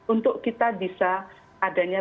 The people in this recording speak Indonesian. untuk kita bisa adanya